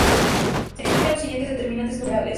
Se distinguen los siguientes determinantes numerales.